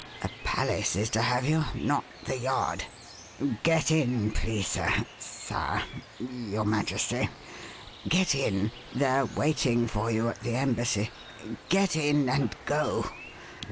A palace is to have you not the Yard. Get in, please, sir Sire your Majesty. Get in. They're waiting for you at the embassy. Get in and go!